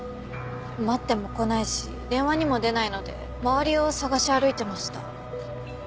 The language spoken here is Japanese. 待っても来ないし電話にも出ないので周りを探し歩いてました。